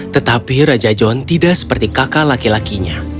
tetapi raja john tidak seperti kakak laki lakinya